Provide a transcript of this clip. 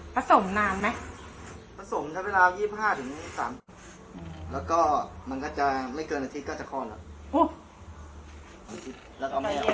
ประสมนานประสมชะงกว่าสิบห้าถึงสามแล้วก็มันก็จะไม่เกินอาทิตย์ก็จะค่อนละ